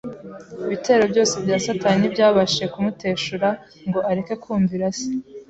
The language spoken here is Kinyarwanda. ibitero byose bya Satani ntibyabashije kumuteshura ngo areke kumvira Se